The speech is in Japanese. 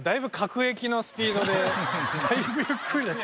だいぶゆっくりだった。